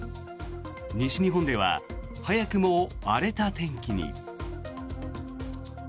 西日本では早くも荒れた天気に。